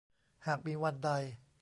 หากมีวันใด